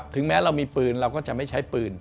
แม้เรามีปืนเราก็จะไม่ใช้ปืน